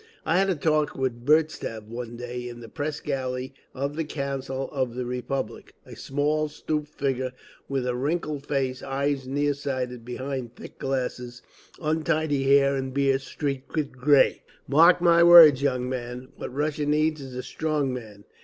I had a talk with Burtzev one day in the press gallery of the Council of the Republic. A small, stooped figure with a wrinkled face, eyes near sighted behind thick glasses, untidy hair and beard streaked with grey. "Mark my words, young man! What Russia needs is a Strong Man.